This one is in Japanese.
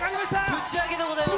ぶち上げでございます。